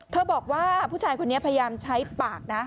บอกว่าผู้ชายคนนี้พยายามใช้ปากนะ